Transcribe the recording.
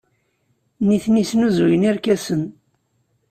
Nitni snuzuyen irkasen.